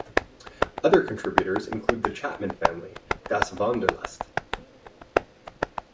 Other contributors included The Chapman Family, Das Wunderlust.